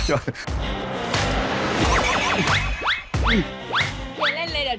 นี่เห็นเลยเดี๋ยวดูกัน